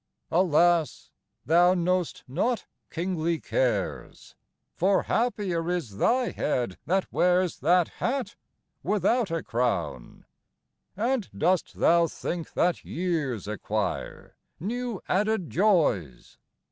Alas! thou know'st not kingly cares; For happier is thy head that wears That hat without a crown! XVII. And dost thou think that years acquire New added joys?